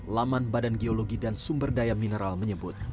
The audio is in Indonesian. laman badan geologi dan sumber daya mineral menyebut